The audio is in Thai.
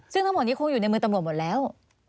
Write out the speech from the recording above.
ซึ่งทั้งหมดนี้คงอยู่ในมือตำรวจหมดแล้ว